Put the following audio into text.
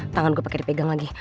tangan gue pakai dipegang lagi